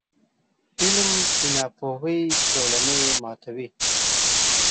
• علم، د ناپوهۍ زولنې ماتوي.